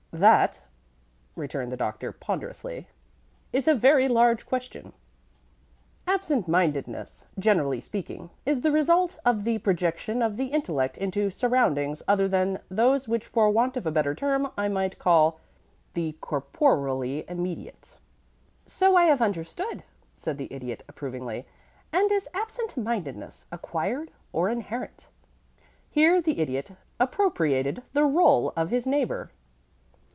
"That," returned the Doctor, ponderously, "is a very large question. Absent mindedness, generally speaking, is the result of the projection of the intellect into surroundings other than those which for want of a better term I might call the corporeally immediate." "So I have understood," said the Idiot, approvingly. "And is absent mindedness acquired or inherent?" Here the Idiot appropriated the roll of his neighbor.